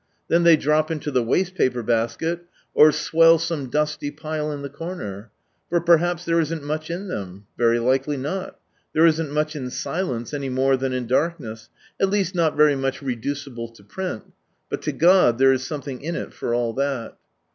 Then they drop into the waste paper basket, or swell some dusty pile in the corner. For perhaps, "there isn't much in them." Very likely not ;" there isn't much " in silence any more than in darkness, at least not very much reducible to print ; dul to God (here is iomething in it for all that.